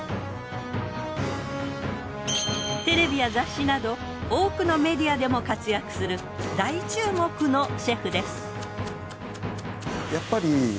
テレビや雑誌など多くのメディアでも活躍する大注目のシェフです。